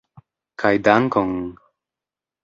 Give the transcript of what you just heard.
Kaj dankon!